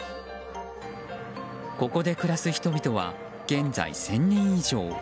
ここで暮らす人々は現在、１０００人以上。